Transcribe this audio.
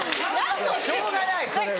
しょうがないそれは。